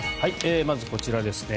まずこちらですね。